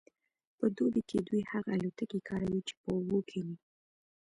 په دوبي کې دوی هغه الوتکې کاروي چې په اوبو کیښني